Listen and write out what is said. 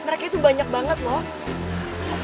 mereka itu banyak banget loh